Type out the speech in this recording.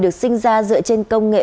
được sinh ra dựa trên công nghệ